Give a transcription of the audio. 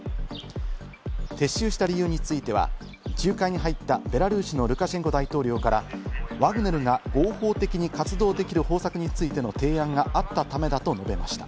撤収した理由については、仲介に入ったベラルーシのルカシェンコ大統領からワグネルが合法的に活動できる方策についての提案があったためだと述べました。